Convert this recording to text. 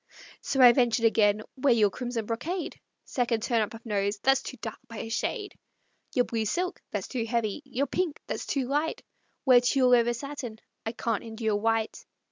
So I ventured again: "Wear your crimson brocade;" (Second turn up of nose) "That's too dark by a shade." "Your blue silk" "That's too heavy." "Your pink" "That's too light." "Wear tulle over satin" "I can't endure white."